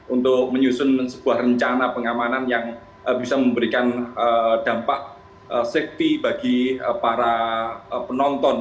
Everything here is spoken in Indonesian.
untuk menyusun sebuah rencana pengamanan yang bisa memberikan dampak safety bagi para penonton